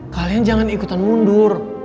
kalian jangan ikutan mundur